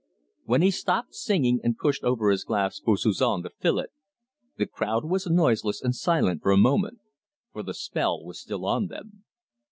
When he stopped singing and pushed over his glass for Suzon to fill it, the crowd were noiseless and silent for a moment, for the spell was still on them.